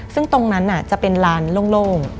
ซึ่งตรงนั้นจะเป็นลานโล่ง